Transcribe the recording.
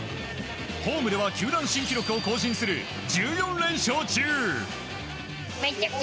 ホームでは球団新記録を更新する１４連勝中。